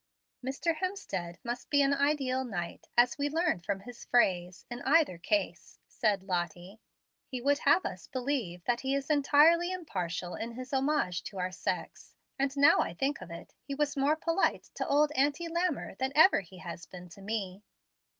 "Mr. Hemstead must be an ideal knight, as we learn from his phrase 'in either case,'" said Lottie. "He would have us believe that he is entirely impartial in his homage to our sex. And, now I think of it, he was more polite to old Auntie Lammer than ever he has been to me."